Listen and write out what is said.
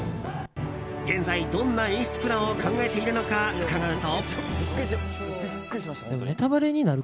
現在、どんな演出プランを考えているのか伺うと。